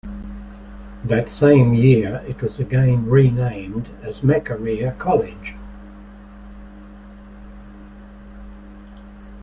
That same year it was again renamed as Makerere College.